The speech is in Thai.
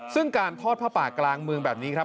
ซึ่งการทอดผ้าป่ากลางเมืองแบบนี้ครับ